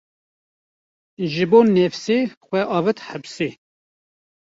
Ji bo nefsê, xwe avêt hepsê